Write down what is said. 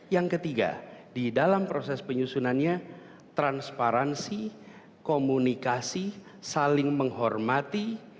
yang ketiga di dalam proses penyusunannya transparansi komunikasi saling menghormati